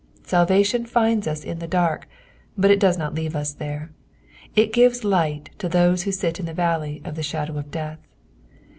Salvation finds us in the dark, but it does not leave us there ; it ^ves ligbt to those who sit in the valley of the shadow of death.